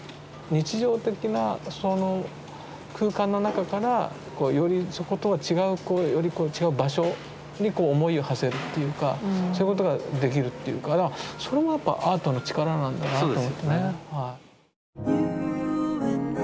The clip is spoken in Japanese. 日常的なその空間の中からよりそことは違う場所に思いをはせるというかそういうことができるというかそれもアートの力なんだなと思ってね。